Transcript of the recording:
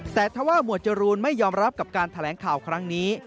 แต่ถ้าว่าหมวดจรูนไม่ยอมรับกับการแถลงข่าวครั้งนี้